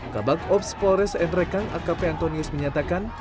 kabak ops polres emrekang akp antonius menyatakan